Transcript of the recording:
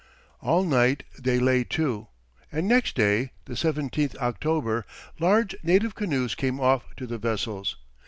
All night they lay to, and next day, the 17th October, large native canoes came off to the vessels.